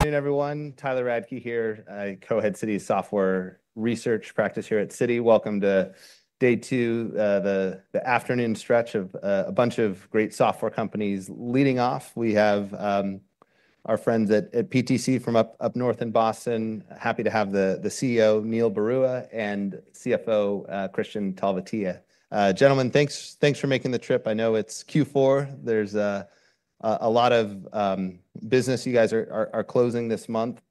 Hey everyone, Tyler Radke here, Co-Head Citi’s Software Research Practice here at Citi. Welcome to day two, the afternoon stretch of a bunch of great software companies leading off. We have our friends at PTC from up north in Boston, happy to have the CEO, Neil Barua, and CFO, Kristian Talvitie. Gentlemen, thanks for making the trip. I know it's Q4. There's a lot of business you guys are closing this month.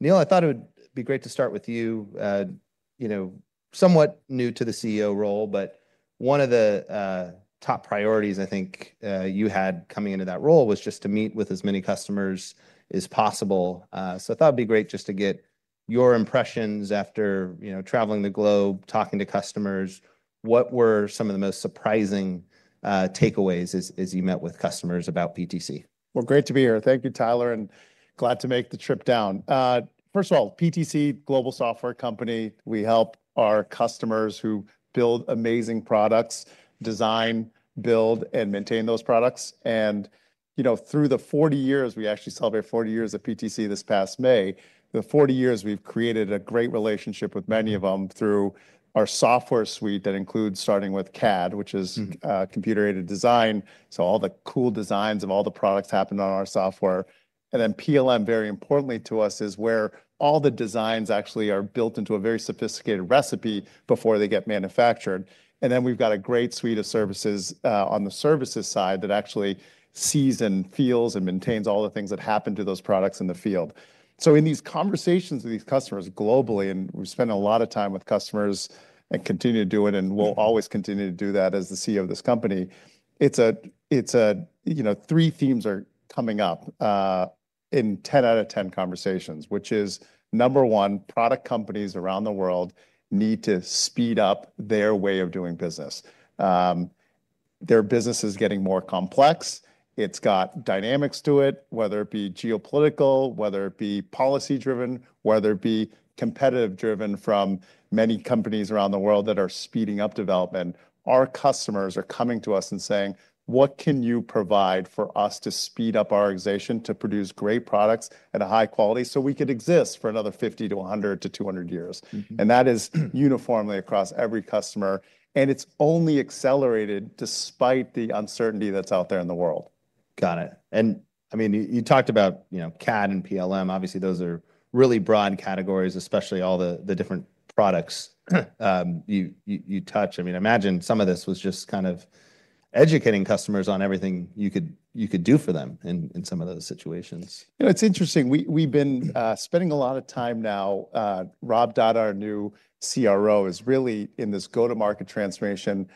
Neil, I thought it would be great to start with you. You know, somewhat new to the CEO role, but one of the top priorities I think you had coming into that role was just to meet with as many customers as possible. I thought it'd be great just to get your impressions after traveling the globe, talking to customers. What were some of the most surprising takeaways as you met with customers about PTC? Great to be here. Thank you, Tyler, and glad to make the trip down. First of all, PTC is a global software company. We help our customers who build amazing products, design, build, and maintain those products. Through the 40 years, we actually celebrated 40 years at PTC this past May. The 40 years we've created a great relationship with many of them through our software suite that includes starting with CAD, which is computer-aided design. All the cool designs of all the products happen on our software. PLM, very importantly to us, is where all the designs actually are built into a very sophisticated recipe before they get manufactured. We've got a great suite of services on the services side that actually sees and feels and maintains all the things that happen to those products in the field. In these conversations with these customers globally, and we spend a lot of time with customers and continue to do it, and we'll always continue to do that as the CEO of this company. Three themes are coming up in 10 out of 10 conversations, which is number one, product companies around the world need to speed up their way of doing business. Their business is getting more complex. It's got dynamics to it, whether it be geopolitical, whether it be policy-driven, whether it be competitive-driven from many companies around the world that are speeding up development. Our customers are coming to us and saying, what can you provide for us to speed up our organization to produce great products at a high quality so we could exist for another 50 to 100 to 200 years? That is uniformly across every customer. It's only accelerated despite the uncertainty that's out there in the world. Got it. You talked about, you know, CAD and PLM. Obviously, those are really broad categories, especially all the different products you touch. I imagine some of this was just kind of educating customers on everything you could do for them in some of those situations. It's interesting. We've been spending a lot of time now. Rob Dahdah, our new CRO, is really in this go-to-market transformation,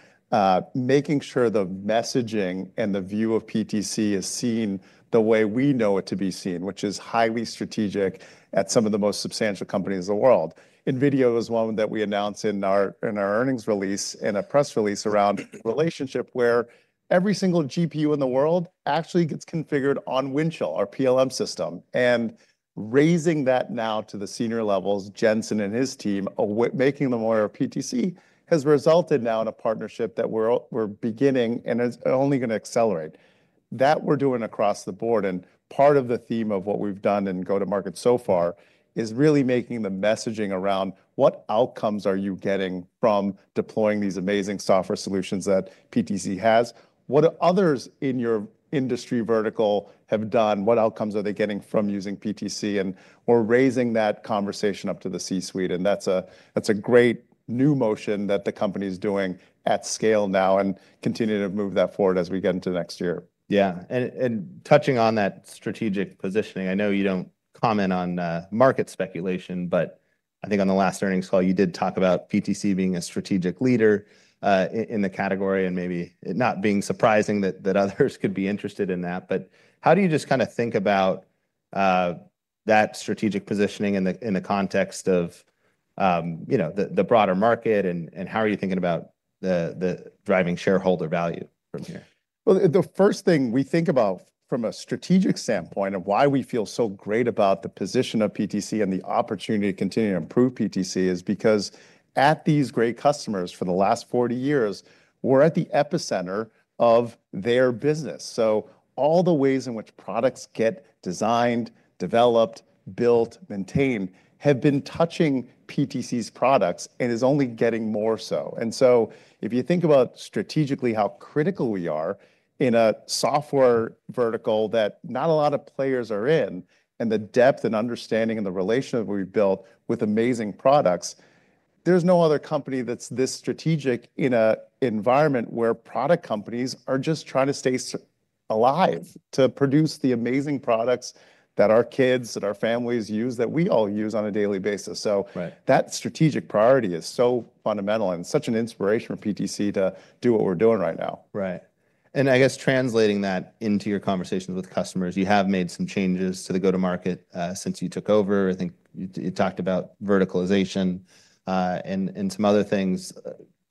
making sure the messaging and the view of PTC is seen the way we know it to be seen, which is highly strategic at some of the most substantial companies in the world. NVIDIA was one that we announced in our earnings release and a press release around a relationship where every single GPU in the world actually gets configured on Windchill, our PLM system. Raising that now to the senior levels, Jensen and his team, making them aware of PTC has resulted now in a partnership that we're beginning and is only going to accelerate. That we're doing across the board. Part of the theme of what we've done in go-to-market so far is really making the messaging around what outcomes are you getting from deploying these amazing software solutions that PTC has? What do others in your industry vertical have done? What outcomes are they getting from using PTC? We're raising that conversation up to the C-suite. That's a great new motion that the company is doing at scale now and continuing to move that forward as we get into next year. Yeah, touching on that strategic positioning, I know you don't comment on market speculation, but I think on the last earnings call, you did talk about PTC being a strategic leader in the category and maybe not being surprising that others could be interested in that. How do you just kind of think about that strategic positioning in the context of the broader market, and how are you thinking about driving shareholder value from here? The first thing we think about from a strategic standpoint and why we feel so great about the position of PTC and the opportunity to continue to improve PTC is because at these great customers for the last 40 years, we're at the epicenter of their business. All the ways in which products get designed, developed, built, maintained have been touching PTC's products and is only getting more so. If you think about strategically how critical we are in a software vertical that not a lot of players are in and the depth and understanding and the relationship we've built with amazing products, there's no other company that's this strategic in an environment where product companies are just trying to stay alive to produce the amazing products that our kids and our families use, that we all use on a daily basis. That strategic priority is so fundamental and such an inspiration for PTC to do what we're doing right now. Right. I guess translating that into your conversations with customers, you have made some changes to the go-to-market since you took over. I think you talked about verticalization and some other things.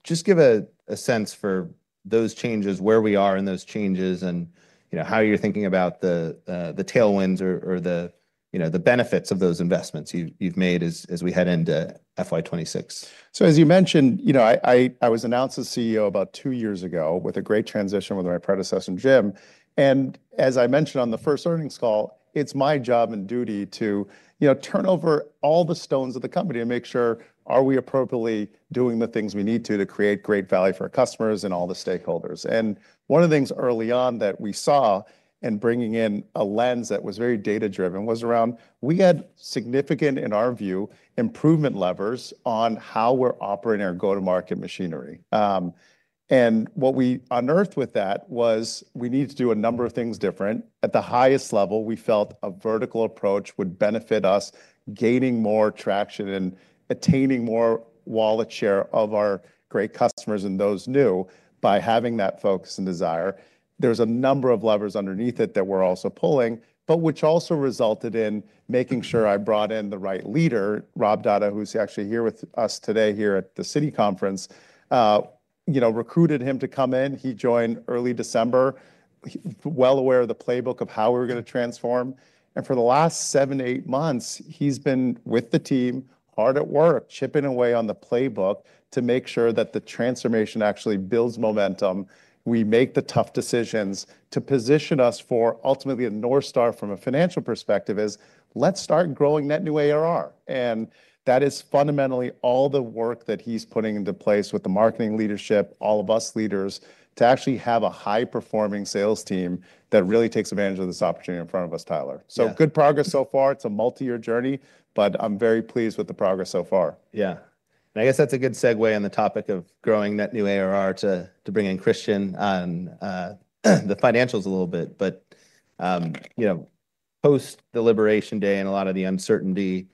Just give a sense for those changes, where we are in those changes, and how you're thinking about the tailwinds or the benefits of those investments you've made as we head into FY 2026. As you mentioned, I was announced as CEO about two years ago with a great transition with my predecessor, Jim. As I mentioned on the first earnings call, it's my job and duty to turn over all the stones of the company and make sure we are appropriately doing the things we need to to create great value for our customers and all the stakeholders. One of the things early on that we saw in bringing in a lens that was very data-driven was around we had significant, in our view, improvement levers on how we're operating our go-to-market machinery. What we unearthed with that was we need to do a number of things different. At the highest level, we felt a vertical approach would benefit us, gaining more traction and attaining more wallet share of our great customers and those new by having that focus and desire. There are a number of levers underneath it that we're also pulling, which also resulted in making sure I brought in the right leader, Rob Dahdah, who's actually here with us today here at the Citi Conference. I recruited him to come in. He joined early December, well aware of the playbook of how we were going to transform. For the last seven, eight months, he's been with the team, hard at work, chipping away on the playbook to make sure that the transformation actually builds momentum. We make the tough decisions to position us for ultimately a North Star from a financial perspective is let's start growing that new ARR. That is fundamentally all the work that he's putting into place with the marketing leadership, all of us leaders to actually have a high-performing sales team that really takes advantage of this opportunity in front of us, Tyler. Good progress so far. It's a multi-year journey, but I'm very pleased with the progress so far. Yeah, I guess that's a good segue on the topic of growing that new ARR to bring in Kristian on the financials a little bit. You know, post-deliberation day and a lot of the uncertainty,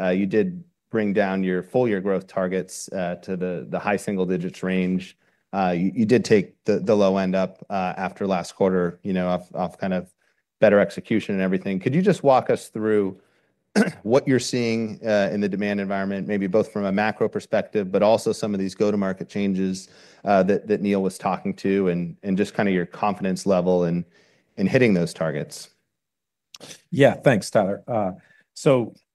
you did bring down your full-year growth targets to the high single-digits range. You did take the low end up after last quarter, off kind of better execution and everything. Could you just walk us through what you're seeing in the demand environment, maybe both from a macro perspective, but also some of these go-to-market changes that Neil was talking to and just kind of your confidence level in hitting those targets? Yeah, thanks, Tyler.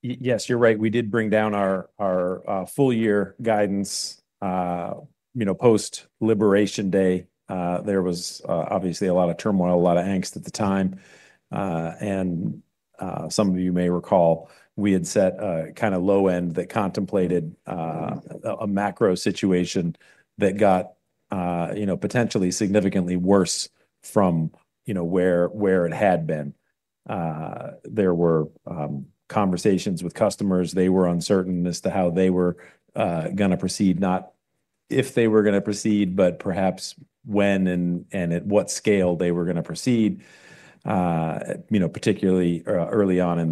Yes, you're right. We did bring down our full-year guidance. Post-liberation day, there was obviously a lot of turmoil, a lot of angst at the time. Some of you may recall, we had set a kind of low end that contemplated a macro situation that got potentially significantly worse from where it had been. There were conversations with customers. They were uncertain as to how they were going to proceed, not if they were going to proceed, but perhaps when and at what scale they were going to proceed, particularly early on in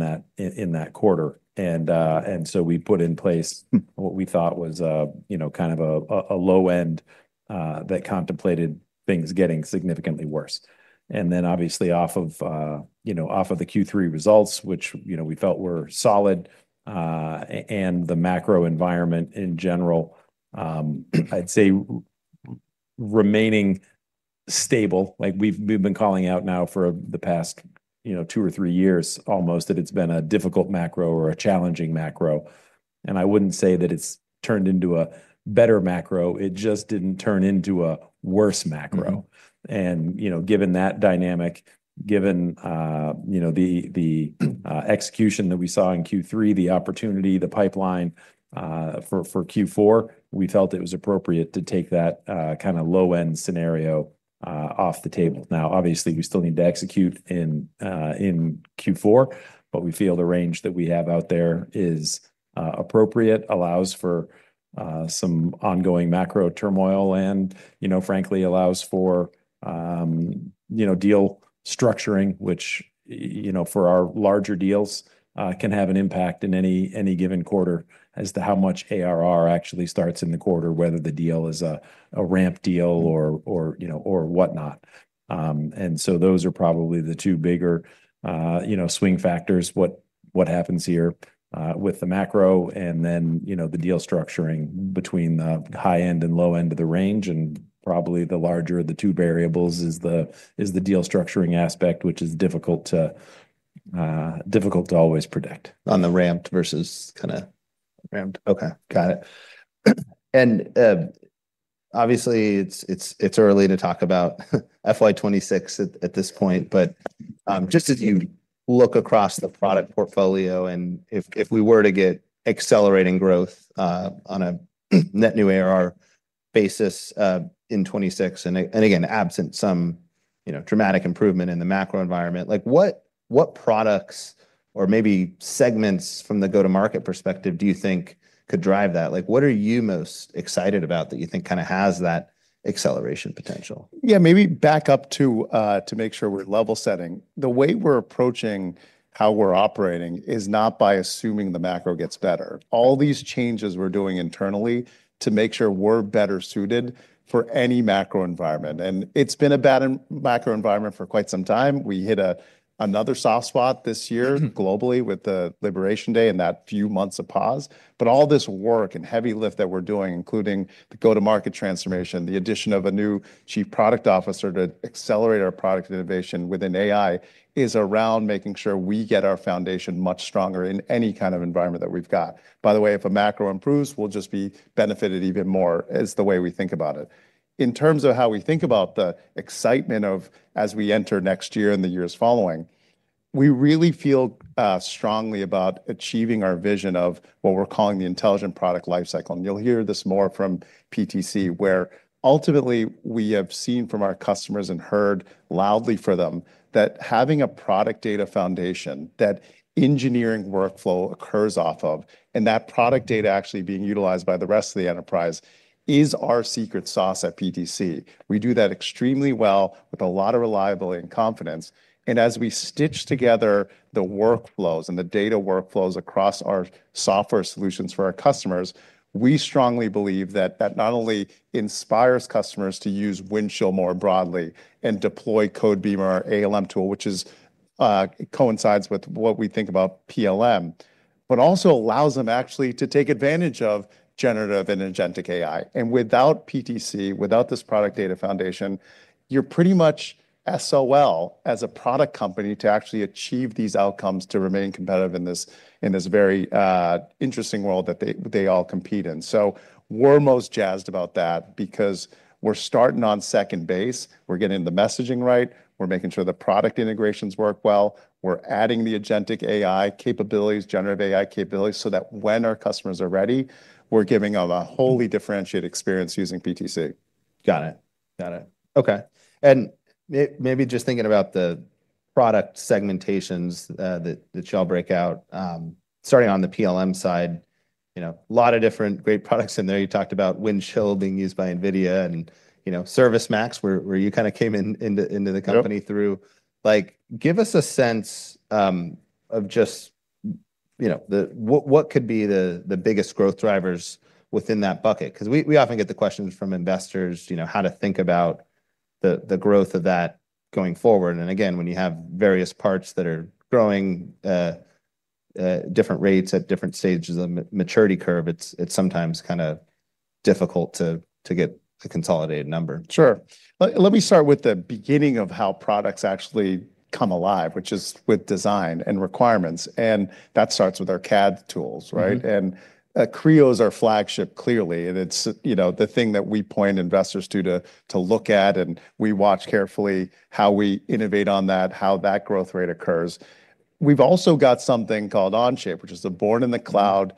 that quarter. We put in place what we thought was kind of a low end that contemplated things getting significantly worse. Obviously, off of the Q3 results, which we felt were solid, and the macro environment in general, I'd say remaining stable. Like we've been calling out now for the past two or three years almost, it's been a difficult macro or a challenging macro. I wouldn't say that it's turned into a better macro. It just didn't turn into a worse macro. Given that dynamic, given the execution that we saw in Q3, the opportunity, the pipeline for Q4, we felt it was appropriate to take that kind of low-end scenario off the table. Obviously, we still need to execute in Q4, but we feel the range that we have out there is appropriate, allows for some ongoing macro turmoil and, frankly, allows for deal structuring, which for our larger deals can have an impact in any given quarter as to how much ARR actually starts in the quarter, whether the deal is a ramp deal or whatnot. Those are probably the two bigger swing factors, what happens here with the macro and the deal structuring between the high end and low end of the range. Probably the larger of the two variables is the deal structuring aspect, which is difficult to always predict. On the ramped versus kind of. ramped. Okay, got it. Obviously, it's early to talk about FY 2026 at this point, but just as you look across the product portfolio and if we were to get accelerating growth on a net new ARR basis in 2026, absent some dramatic improvement in the macro environment, what products or maybe segments from the go-to-market perspective do you think could drive that? What are you most excited about that you think kind of has that acceleration potential? Yeah, maybe back up to make sure we're level setting. The way we're approaching how we're operating is not by assuming the macro gets better. All these changes we're doing internally to make sure we're better suited for any macro environment. It's been a bad macro environment for quite some time. We hit another soft spot this year globally with the Liberation Day and that few months of pause. All this work and heavy lift that we're doing, including the go-to-market transformation, the addition of a new Chief Product Officer to accelerate our product innovation within AI, is around making sure we get our foundation much stronger in any kind of environment that we've got. By the way, if a macro improves, we'll just be benefited even more is the way we think about it. In terms of how we think about the excitement of as we enter next year and the years following, we really feel strongly about achieving our vision of what we're calling the intelligent product lifecycle. You'll hear this more from PTC, where ultimately we have seen from our customers and heard loudly from them that having a product data foundation that engineering workflow occurs off of and that product data actually being utilized by the rest of the enterprise is our secret sauce at PTC. We do that extremely well with a lot of reliability and confidence. As we stitch together the workflows and the data workflows across our software solutions for our customers, we strongly believe that that not only inspires customers to use Windchill more broadly and deploy Codebeamer, our ALM tool, which coincides with what we think about PLM, but also allows them actually to take advantage of generative and agentic AI. Without PTC, without this product data foundation, you're pretty much SOL as a product company to actually achieve these outcomes to remain competitive in this very interesting world that they all compete in. We're most jazzed about that because we're starting on second base. We're getting the messaging right. We're making sure the product integrations work well. We're adding the agentic AI capabilities, generative AI capabilities, so that when our customers are ready, we're giving them a wholly differentiated experience using PTC. Got it. Okay. Maybe just thinking about the product segmentations that y'all break out, starting on the PLM side, you know, a lot of different great products in there. You talked about Windchill being used by NVIDIA and, you know, ServiceMax, where you kind of came into the company through. Give us a sense of just, you know, what could be the biggest growth drivers within that bucket. We often get the questions from investors, you know, how to think about the growth of that going forward. When you have various parts that are growing at different rates at different stages of the maturity curve, it's sometimes kind of difficult to get a consolidated number. Sure. Let me start with the beginning of how products actually come alive, which is with design and requirements. That starts with our CAD tools, right? Creo is our flagship, clearly. It's, you know, the thing that we point investors to to look at. We watch carefully how we innovate on that, how that growth rate occurs. We've also got something called Onshape, which is the born-in-the-cloud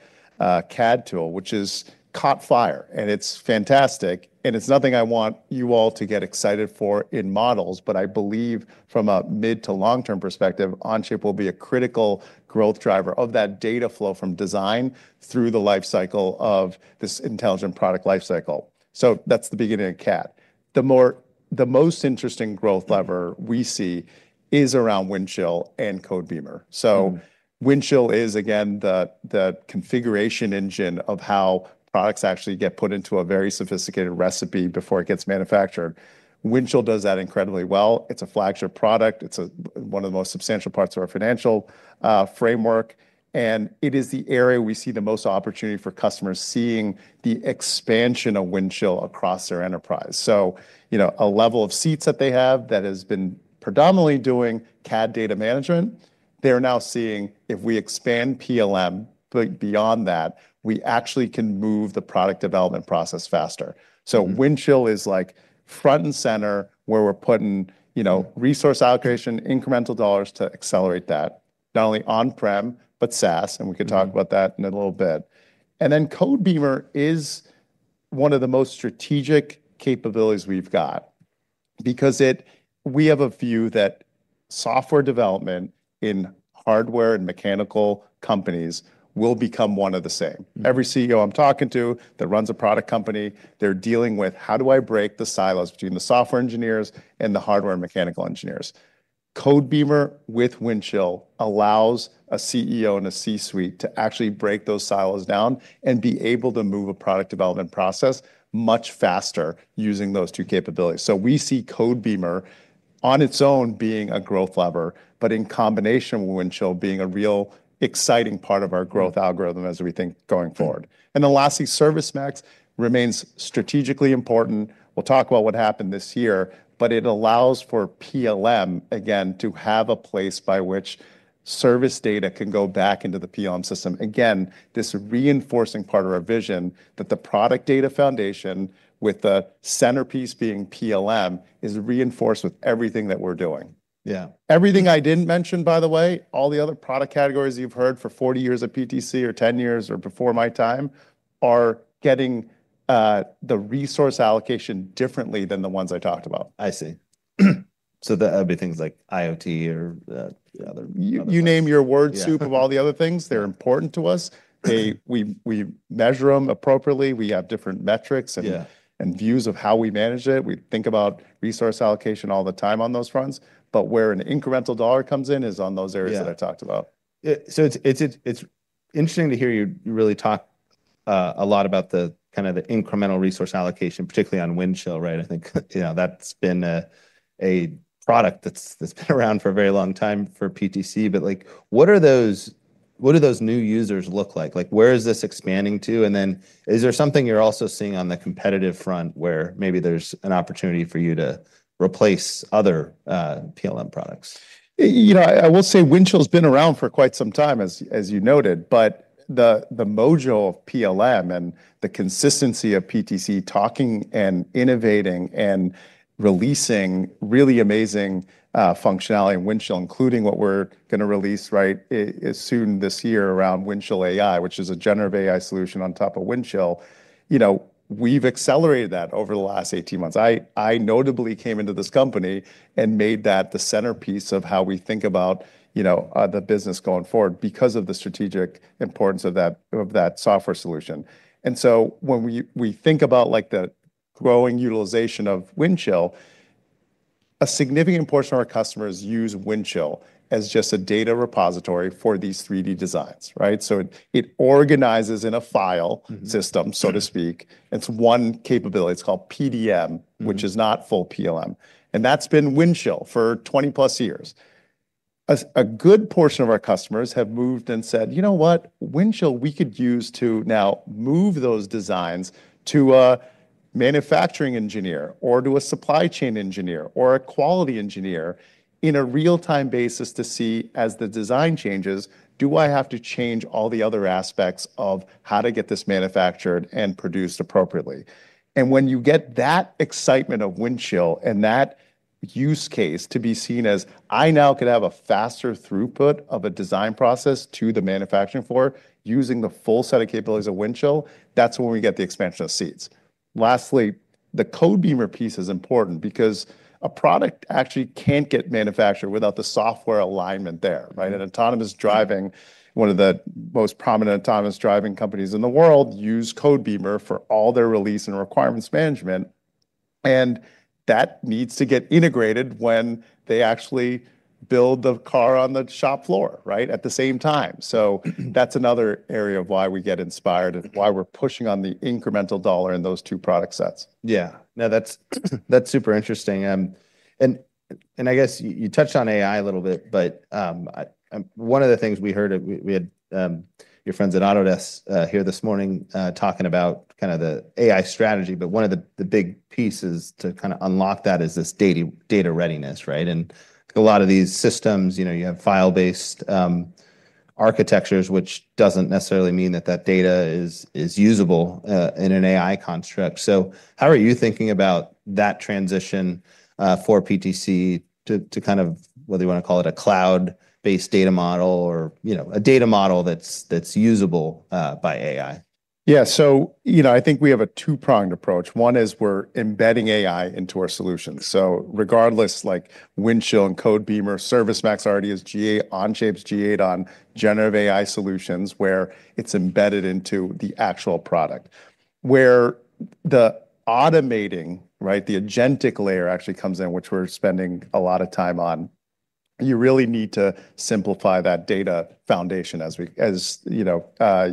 CAD tool, which has caught fire. It's fantastic. It's nothing I want you all to get excited for in models. I believe from a mid-to-long-term perspective, Onshape will be a critical growth driver of that data flow from design through the lifecycle of this intelligent product lifecycle. That's the beginning of CAD. The most interesting growth lever we see is around Windchill and Codebeamer. Windchill is, again, the configuration engine of how products actually get put into a very sophisticated recipe before it gets manufactured. Windchill does that incredibly well. It's a flagship product. It's one of the most substantial parts of our financial framework. It is the area we see the most opportunity for customers seeing the expansion of Windchill across their enterprise. A level of seats that they have that has been predominantly doing CAD data management, they're now seeing if we expand PLM beyond that, we actually can move the product development process faster. Windchill is front and center where we're putting, you know, resource allocation, incremental dollars to accelerate that, not only on-prem, but SaaS. We can talk about that in a little bit. Codebeamer is one of the most strategic capabilities we've got because we have a view that software development in hardware and mechanical companies will become one of the same. Every CEO I'm talking to that runs a product company, they're dealing with how do I break the silos between the software engineers and the hardware and mechanical engineers. Codebeamer with Windchill allows a CEO and a C-suite to actually break those silos down and be able to move a product development process much faster using those two capabilities. We see Codebeamer on its own being a growth lever, but in combination with Windchill being a real exciting part of our growth algorithm as we think going forward. Lastly, ServiceMax remains strategically important. We'll talk about what happened this year, but it allows for PLM, again, to have a place by which service data can go back into the PLM system. This reinforces part of our vision that the product data foundation with the centerpiece being PLM is reinforced with everything that we're doing. Everything I didn't mention, by the way, all the other product categories you've heard for 40 years at PTC or 10 years or before my time are getting the resource allocation differently than the ones I talked about. I see. That would be things like IoT or the other. You name your word soup of all the other things, they're important to us. We measure them appropriately. We have different metrics and views of how we manage it. We think about resource allocation all the time on those fronts, but where an incremental dollar comes in is on those areas that I talked about. It's interesting to hear you really talk a lot about the incremental resource allocation, particularly on Windchill, right? I think that's been a product that's been around for a very long time for PTC, but what do those new users look like? Where is this expanding to? Is there something you're also seeing on the competitive front where maybe there's an opportunity for you to replace other PLM products? You know, I will say Windchill has been around for quite some time, as you noted, but the mojo of PLM and the consistency of PTC talking and innovating and releasing really amazing functionality in Windchill, including what we're going to release as soon this year around Windchill AI, which is a generative AI solution on top of Windchill. We've accelerated that over the last 18 months. I notably came into this company and made that the centerpiece of how we think about the business going forward because of the strategic importance of that software solution. When we think about the growing utilization of Windchill, a significant portion of our customers use Windchill as just a data repository for these 3D designs, right? It organizes in a file system, so to speak. It's one capability. It's called PDM, which is not full PLM. That's been Windchill for 20+ years. A good portion of our customers have moved and said, you know what, Windchill we could use to now move those designs to a manufacturing engineer or to a supply chain engineer or a quality engineer in a real-time basis to see as the design changes, do I have to change all the other aspects of how to get this manufactured and produced appropriately? When you get that excitement of Windchill and that use case to be seen as I now could have a faster throughput of a design process to the manufacturing floor using the full set of capabilities of Windchill, that's when we get the expansion of seats. Lastly, the Codebeamer piece is important because a product actually can't get manufactured without the software alignment there, right? An autonomous driving, one of the most prominent autonomous driving companies in the world, use Codebeamer for all their release and requirements management. That needs to get integrated when they actually build the car on the shop floor, right, at the same time. That's another area of why we get inspired and why we're pushing on the incremental dollar in those two product sets. Yeah, no, that's super interesting. I guess you touched on AI a little bit, but one of the things we heard, we had your friends at Autodesk here this morning talking about kind of the AI strategy. One of the big pieces to kind of unlock that is this data readiness, right? A lot of these systems, you know, you have file-based architectures, which doesn't necessarily mean that that data is usable in an AI construct. How are you thinking about that transition for PTC to kind of, whether you want to call it a cloud-based data model or, you know, a data model that's usable by AI? Yeah, so, you know, I think we have a two-pronged approach. One is we're embedding AI into our solutions. So regardless, like Windchill and Codebeamer, ServiceMax already is GA, Onshape's GA on generative AI solutions where it's embedded into the actual product. Where the automating, right, the agentic layer actually comes in, which we're spending a lot of time on, you really need to simplify that data foundation as we, as you know,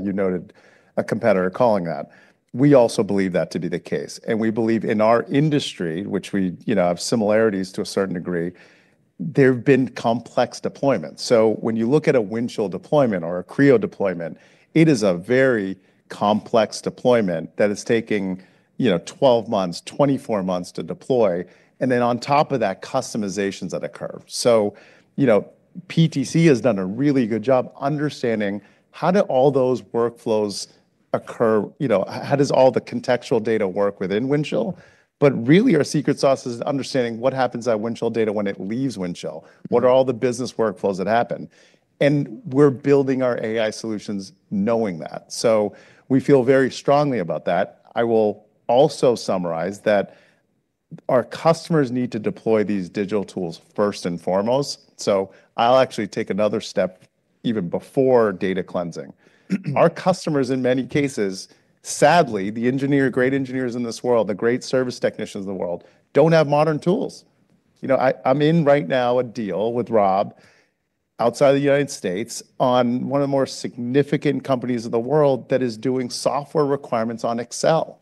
you noted, a competitor calling that. We also believe that to be the case. We believe in our industry, which we, you know, have similarities to a certain degree, there have been complex deployments. When you look at a Windchill deployment or a Creo deployment, it is a very complex deployment that is taking, you know, 12 months, 24 months to deploy. On top of that, customizations occur. PTC has done a really good job understanding how do all those workflows occur, you know, how does all the contextual data work within Windchill? Our secret sauce is understanding what happens to that Windchill data when it leaves Windchill. What are all the business workflows that happen? We're building our AI solutions knowing that. We feel very strongly about that. I will also summarize that our customers need to deploy these digital tools first and foremost. I'll actually take another step even before data cleansing. Our customers, in many cases, sadly, the engineer, great engineers in this world, the great service technicians in the world, don't have modern tools. I'm in right now a deal with Rob outside of the United States on one of the more significant companies in the world that is doing software requirements on Excel,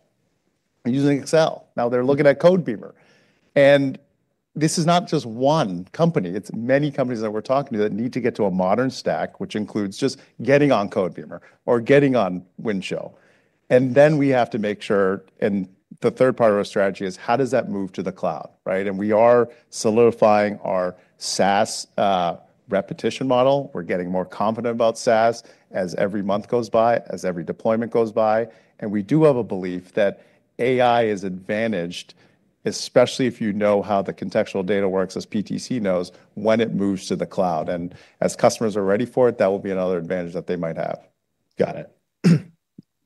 using Excel. Now they're looking at Codebeamer. This is not just one company. It's many companies that we're talking to that need to get to a modern stack, which includes just getting on Codebeamer or getting on Windchill. We have to make sure, and the third part of our strategy is how does that move to the cloud, right? We are solidifying our SaaS repetition model. We're getting more confident about SaaS as every month goes by, as every deployment goes by. We do have a belief that AI is advantaged, especially if you know how the contextual data works, as PTC knows, when it moves to the cloud. As customers are ready for it, that will be another advantage that they might have. Got it.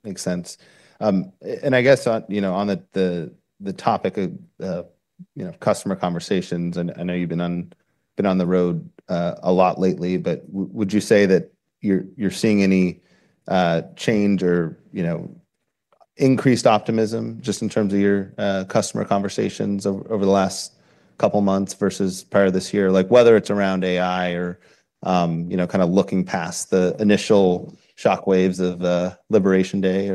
Makes sense. On the topic of customer conversations, and I know you've been on the road a lot lately, would you say that you're seeing any change or increased optimism just in terms of your customer conversations over the last couple of months versus prior to this year, like whether it's around AI or kind of looking past the initial shock waves of Liberation Day?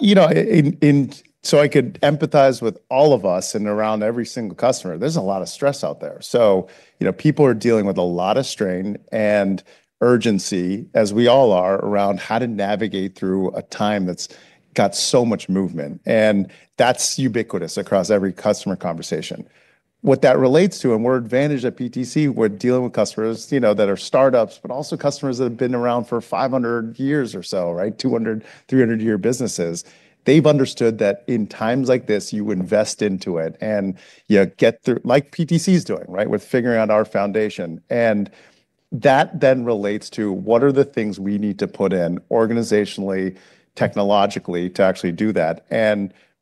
You know, I could empathize with all of us and around every single customer. There's a lot of stress out there. People are dealing with a lot of strain and urgency, as we all are, around how to navigate through a time that's got so much movement. That's ubiquitous across every customer conversation. What that relates to, and we're advantaged at PTC, we're dealing with customers that are startups, but also customers that have been around for 500 years or so, right? 200-year, 300-year businesses. They've understood that in times like this, you invest into it and get through, like PTC is doing, with figuring out our foundation. That then relates to what are the things we need to put in organizationally, technologically to actually do that.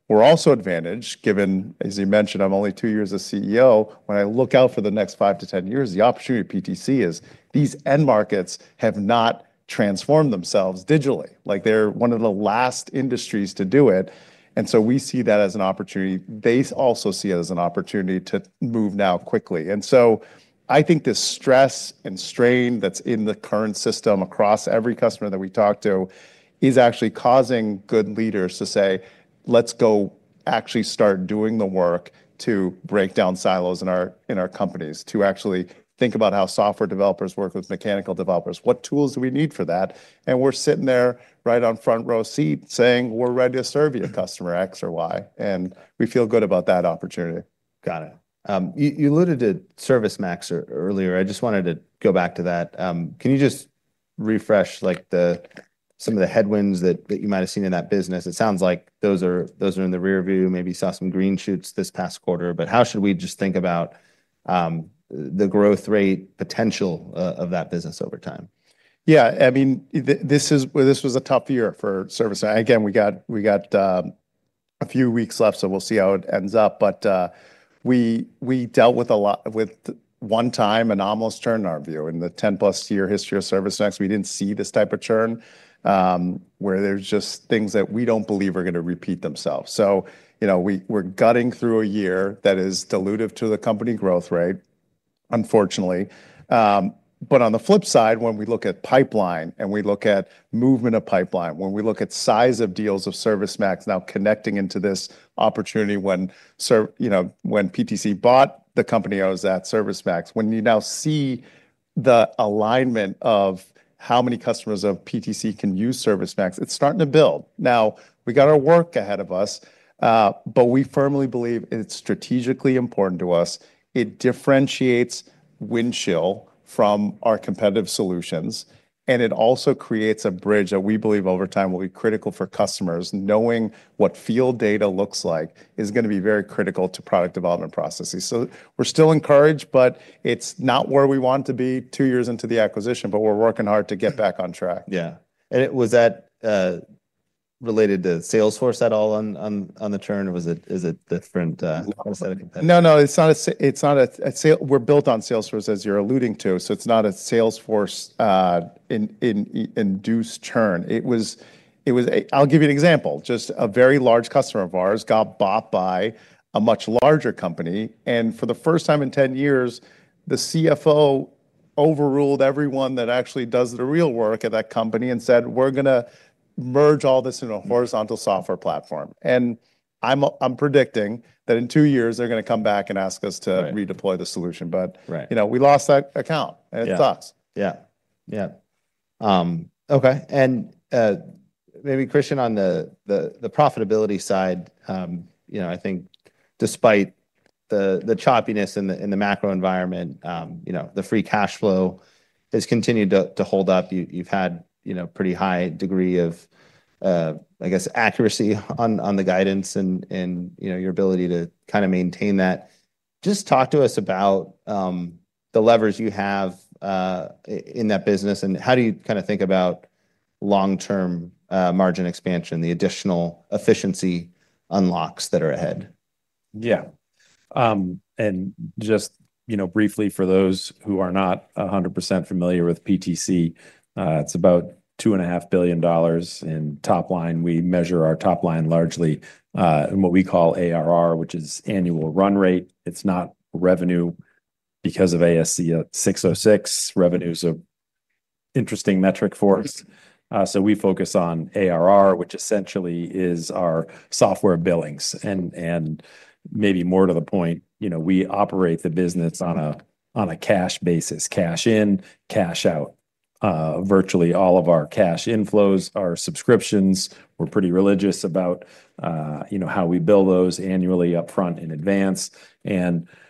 We're also advantaged, given, as you mentioned, I'm only two years as CEO. When I look out for the next 5 years- 10 years, the opportunity of PTC is these end markets have not transformed themselves digitally. They're one of the last industries to do it. We see that as an opportunity. They also see it as an opportunity to move now quickly. I think the stress and strain that's in the current system across every customer that we talk to is actually causing good leaders to say, let's go actually start doing the work to break down silos in our companies, to actually think about how software developers work with mechanical developers. What tools do we need for that? We're sitting there right on front row seat saying, we're ready to serve you, customer X or Y. We feel good about that opportunity. Got it. You alluded to ServiceMax earlier. I just wanted to go back to that. Can you just refresh like some of the headwinds that you might have seen in that business? It sounds like those are in the rear view. Maybe you saw some green shoots this past quarter, but how should we just think about the growth rate potential of that business over time? Yeah, I mean, this was a tough year for ServiceMax. We got a few weeks left, so we'll see how it ends up. We dealt with a lot with one time and almost churn in our view. In the 10+ year history of ServiceMax, we didn't see this type of churn where there's just things that we don't believe are going to repeat themselves. We're gutting through a year that is dilutive to the company growth rate, unfortunately. On the flip side, when we look at pipeline and we look at movement of pipeline, when we look at size of deals of ServiceMax now connecting into this opportunity, when PTC bought the company that ServiceMax, when you now see the alignment of how many customers of PTC can use ServiceMax, it's starting to build. We got our work ahead of us, but we firmly believe it's strategically important to us. It differentiates Windchill from our competitive solutions, and it also creates a bridge that we believe over time will be critical for customers. Knowing what field data looks like is going to be very critical to product development processes. We're still encouraged, but it's not where we want to be two years into the acquisition, but we're working hard to get back on track. Was that related to Salesforce at all on the churn, or was it different? No, no, it's not a sale. We're built on Salesforce, as you're alluding to. It's not a Salesforce-induced churn. I'll give you an example. A very large customer of ours got bought by a much larger company. For the first time in 10 years, the CFO overruled everyone that actually does the real work at that company and said, we're going to merge all this into a horizontal software platform. I'm predicting that in two years, they're going to come back and ask us to redeploy the solution. You know, we lost that account. It sucks. Yeah, okay. Maybe Kristian on the profitability side, I think despite the choppiness in the macro environment, the free cash flow has continued to hold up. You've had a pretty high degree of, I guess, accuracy on the guidance and your ability to kind of maintain that. Just talk to us about the levers you have in that business and how do you kind of think about long-term margin expansion, the additional efficiency unlocks that are ahead. Yeah. Just, you know, briefly for those who are not 100% familiar with PTC, it's about $2.5 billion in top line. We measure our top line largely in what we call ARR, which is annual run-rate. It's not revenue because of ASC 606. Revenue is an interesting metric for us. We focus on ARR, which essentially is our software billings. Maybe more to the point, we operate the business on a cash basis, cash in, cash out. Virtually all of our cash inflows are subscriptions. We're pretty religious about how we bill those annually upfront in advance.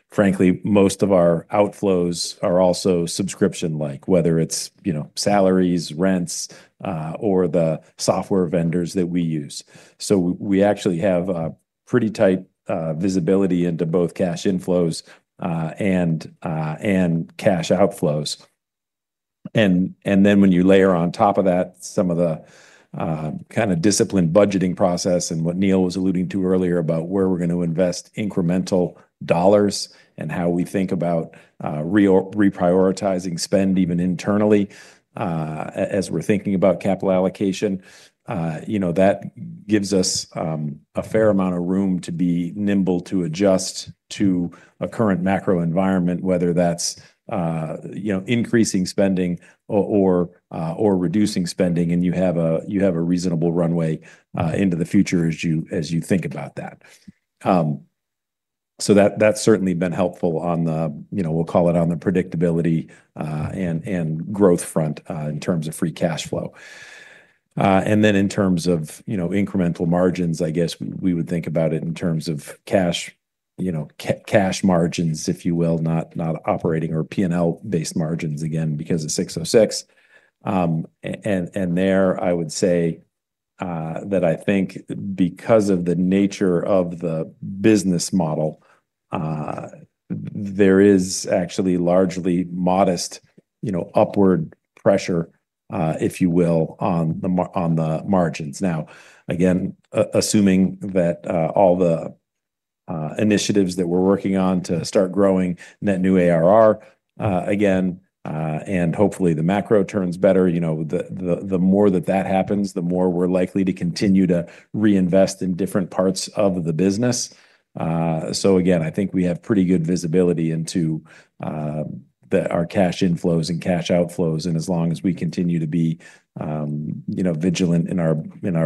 Frankly, most of our outflows are also subscription-like, whether it's salaries, rents, or the software vendors that we use. We actually have pretty tight visibility into both cash inflows and cash outflows. When you layer on top of that some of the kind of disciplined budgeting process and what Neil was alluding to earlier about where we're going to invest incremental dollars and how we think about re-prioritizing spend even internally as we're thinking about capital allocation, that gives us a fair amount of room to be nimble to adjust to a current macro environment, whether that's increasing spending or reducing spending, and you have a reasonable runway into the future as you think about that. That's certainly been helpful on the, we'll call it on the predictability and growth front in terms of free cash flow. In terms of incremental margins, I guess we would think about it in terms of cash, you know, cash margins, if you will, not operating or P&L-based margins again because of 606. There I would say that I think because of the nature of the business model, there is actually largely modest upward pressure, if you will, on the margins. Now, again, assuming that all the initiatives that we're working on to start growing net new ARR again, and hopefully the macro turns better, the more that that happens, the more we're likely to continue to reinvest in different parts of the business. I think we have pretty good visibility into our cash inflows and cash outflows. As long as we continue to be vigilant in our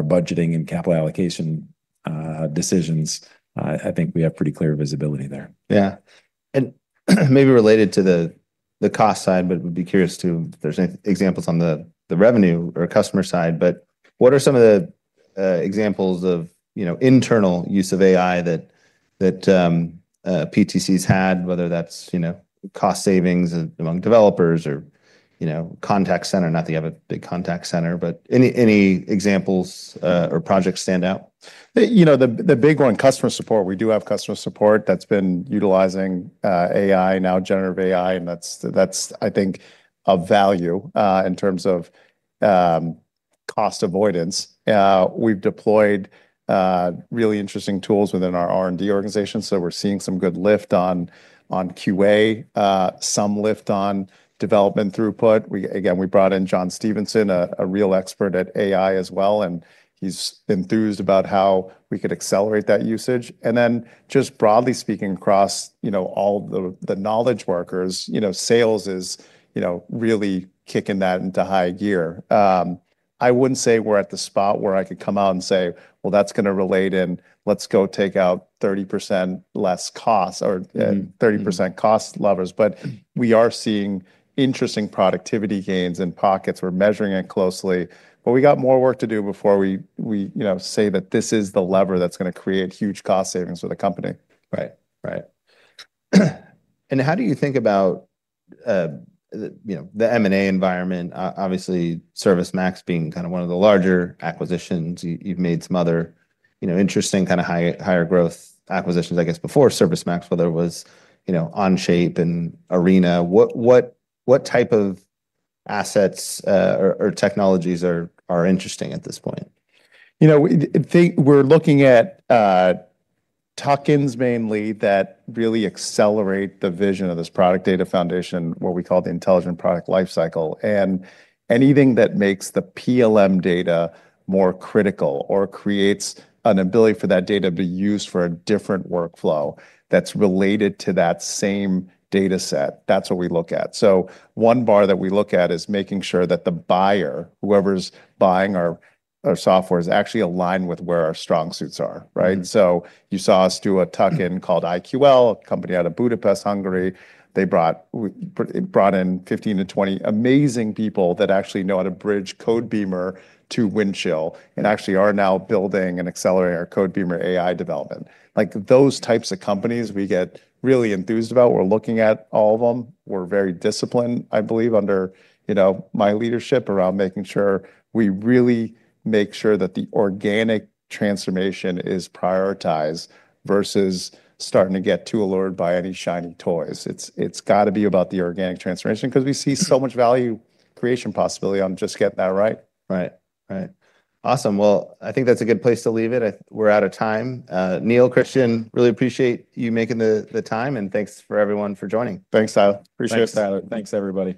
budgeting and capital allocation decisions, I think we have pretty clear visibility there. Yeah, maybe related to the cost side, but I'd be curious too if there's any examples on the revenue or customer side. What are some of the examples of internal use of AI that PTC's had, whether that's cost savings among developers or contact center? Not that you have a big contact center, but any examples or projects stand out? You know, the big one, customer support. We do have customer support that's been utilizing AI, now generative AI, and that's, I think, a value in terms of cost avoidance. We've deployed really interesting tools within our R&D organization. We're seeing some good lift on QA, some lift on development throughput. We brought in John Stevenson, a real expert at AI as well, and he's enthused about how we could accelerate that usage. Broadly speaking across all the knowledge workers, sales is really kicking that into high gear. I wouldn't say we're at the spot where I could come out and say that's going to relate in, let's go take out 30% less cost or 30% cost levers. We are seeing interesting productivity gains in pockets. We're measuring it closely, but we got more work to do before we say that this is the lever that's going to create huge cost savings for the company. Right. How do you think about the M&A environment? Obviously, ServiceMax being kind of one of the larger acquisitions. You've made some other interesting kind of higher growth acquisitions, I guess, before ServiceMax, whether it was Onshape and Arena. What type of assets or technologies are interesting at this point? You know, we're looking at tokens mainly that really accelerate the vision of this product data foundation, what we call the intelligent product lifecycle. Anything that makes the PLM data more critical or creates an ability for that data to be used for a different workflow that's related to that same data set, that's what we look at. One bar that we look at is making sure that the buyer, whoever's buying our software, is actually aligned with where our strong suits are, right? You saw us do a token called IQL, a company out of Budapest, Hungary. They brought in 15 - 20 amazing people that actually know how to bridge Codebeamer to Windchill and actually are now building and accelerating our Codebeamer AI development. Those types of companies we get really enthused about. We're looking at all of them. We're very disciplined, I believe, under my leadership around making sure we really make sure that the organic transformation is prioritized versus starting to get too allured by any shiny toys. It's got to be about the organic transformation because we see so much value creation possibility on just getting that right. Right, right. Awesome. I think that's a good place to leave it. We're out of time. Neil, Kristian, really appreciate you making the time, and thanks for everyone for joining. Thanks, Tyler. Appreciate it. Tyler. Thanks, everybody.